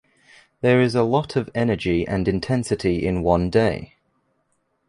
There is a lot of energy and intensity in one day.